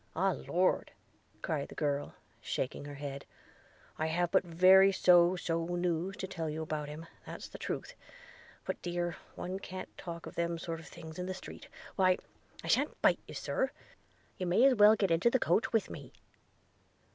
'Ah, Lord!' cried the girl, shaking her head, 'I have but very so so news to tell you about him, that's the truth – But dear! one can't talk of them sort of things in the street – why, I sha'n't bite you, Sir – you may as well get into the coach with me.'